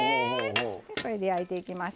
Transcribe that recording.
これで焼いていきます。